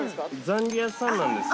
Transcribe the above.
ザンギ屋さんなんです。